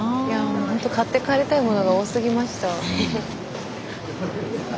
もうほんと買って帰りたいものが多すぎました。